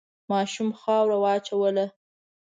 ماشوم خاوره وواچوله.